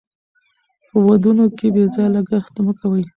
په ودونو کې بې ځایه لګښت مه کوئ.